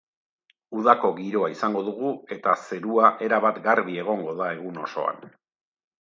Udako giroa izango dugu, eta zerua erabat garbi egongo da egun osoan.